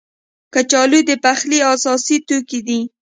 کچالو د پخلي اساسي توکي دي